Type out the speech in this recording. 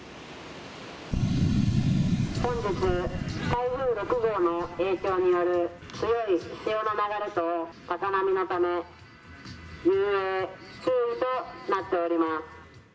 本日、台風６号の影響による強い潮の流れと高波のため、遊泳注意となっております。